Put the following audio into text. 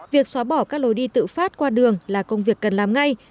việc xóa bỏ các lối đi tự phát qua đường là công việc cần làm ngay